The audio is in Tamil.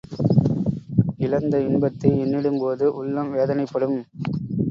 இழந்த இன்பத்தை எண்ணிடும்போது உள்ளம் வேதனைப்படும்.